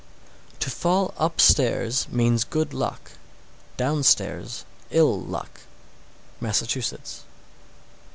671. To fall upstairs means good luck; downstairs, ill luck. _Massachusetts.